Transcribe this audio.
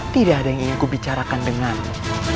tidak ada yang ingin ku bicarakan denganmu